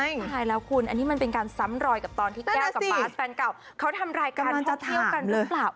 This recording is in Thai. ใช่แล้วคุณอันนี้มันเป็นการซ้ำรอยกับตอนที่แก้วกับบาสแฟนเก่าเขาทำรายการจะเที่ยวกันหรือเปล่า